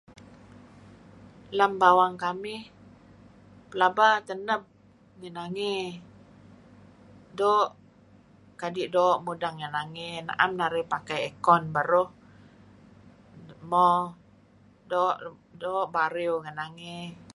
Lem bawang kamih... plaba teneb ngih nangey. Doo'. Kadi' doo' mudeng ngih nangey. Na'em narih pakai erken beruh. Mo, doo' ... doo' bariw ngih nangey.